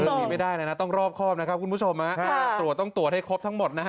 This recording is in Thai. ไม่ได้เลยนะต้องรอบครอบนะครับคุณผู้ชมฮะตรวจต้องตรวจให้ครบทั้งหมดนะฮะ